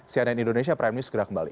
cnn indonesia prime news segera kembali